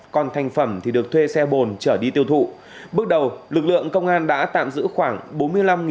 còn thành phẩm thì được thuê xe bồn trở đi tiêu thụ bước đầu lực lượng công an đã tạm giữ khoảng